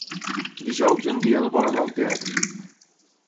Dijous en Biel vol anar al teatre.